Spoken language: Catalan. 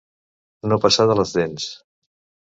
No passar de les dents.